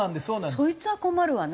そいつは困るわな。